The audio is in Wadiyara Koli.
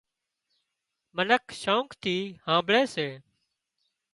منک شوق ٿِي هامڀۯي سي